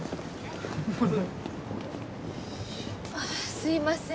すいません。